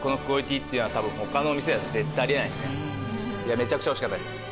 めちゃくちゃ美味しかったです。